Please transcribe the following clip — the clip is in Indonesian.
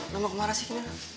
lu mau kemana sih gini